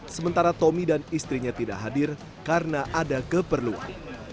sementara tommy dan istrinya tidak hadir karena ada keperluan